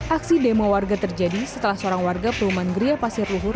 aksi demo warga terjadi setelah seorang warga perumahan gria pasir luhur